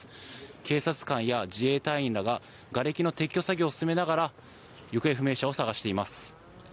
警察官や自衛隊員らががれきの撤去作業を進めながら行方不明者を捜しています。